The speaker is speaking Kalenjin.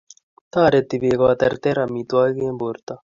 Toreti beek koterter amitwogik eng' borto.